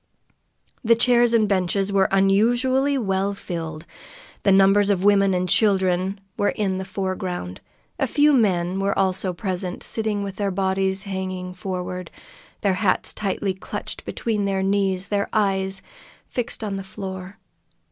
The chairs and benches were unusually well filled. Numbers of women and children were in the foreground. A few men were also present, sitting with their bodies hanging forward, their hats tightly clutched between their knees, their eyes fixed on the floor.